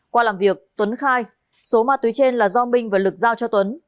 qua làm việc tuấn khai số ma túy trên là do minh và lực giao cho tuấn